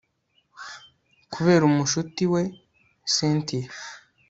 kubera mushuti we cyntia